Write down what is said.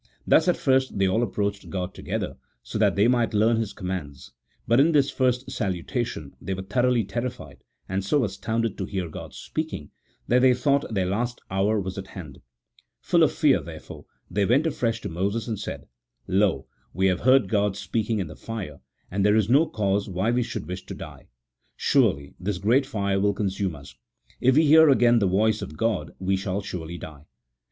Thus at first they all approached God together, so that they might learn His commands, but in this first salutation, they were so thoroughly terrified and so astounded to hear God speaking, that they thought their last hour was at hand : full of fear, therefore, they went afresh to Moses, and said, " Lo, we have heard God speaking in the fire, and there is no cause why we should wish to die : surely this great fire will consume us : if we hear again the voice of God, we shall surely die.